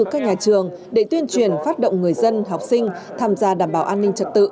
các nhà trường để tuyên truyền phát động người dân học sinh tham gia đảm bảo an ninh trật tự